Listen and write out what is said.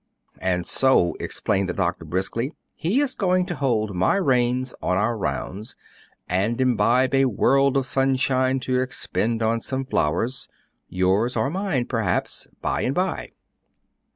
"And so," explained the doctor, briskly, "he is going to hold my reins on our rounds, and imbibe a world of sunshine to expend on some flowers yours or mine, perhaps by and by."